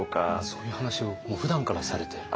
そういう話をふだんからされてる？